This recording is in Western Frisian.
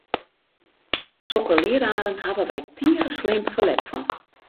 Sokke leararen hawwe wy tige slim ferlet fan!